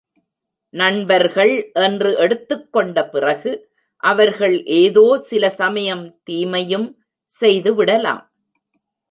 நண்பர்கள் என்று எடுத்துக்கொண்ட பிறகு அவர்கள் ஏதோ சில சமயம் தீமையும் செய்துவிடலாம்.